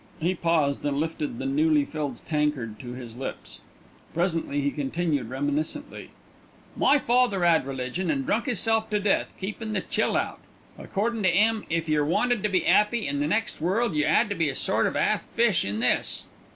He paused and lifted the newly filled tankard to his lips. Presently he continued reminiscently: "My father 'ad religion, and drunk 'isself to death 'keepin' the chill out.' Accordin' to 'im, if yer wanted to be 'appy in the next world yer 'ad to be a sort of 'alf fish in this.